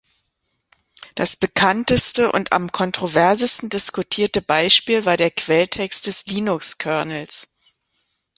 Das bekannteste und am kontroversesten diskutierte Beispiel war der Quelltext des Linux-Kernels.